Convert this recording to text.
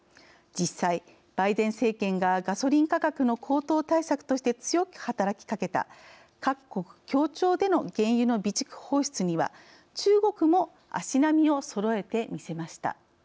実際バイデン政権がガソリン価格の高騰対策として強く働きかけた各国協調での原油の備蓄放出には中国も足並みをそろえてみせました。